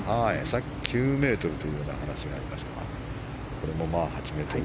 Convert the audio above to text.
さっき９ｍという話がありましたがこれも８ｍ近い。